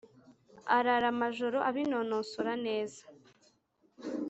arara amajoro abinonosora neza.